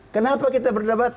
kenapa kita berdebat